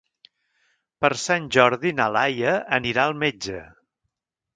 Per Sant Jordi na Laia anirà al metge.